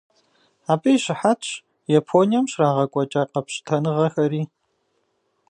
Абы и щыхьэтщ Японием щрагъэкӀуэкӀа къэпщытэныгъэхэри.